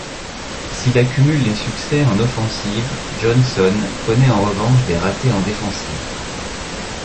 S'il accumule les succès en offensive, Johnson connaît en revanche des ratés en défensive.